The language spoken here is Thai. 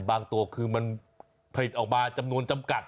ตัวคือมันผลิตออกมาจำนวนจำกัด